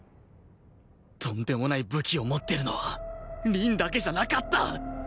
とんでもない武器を持ってるのは凛だけじゃなかった！